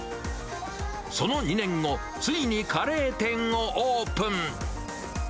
その２年後、ついにカレー店をオープン。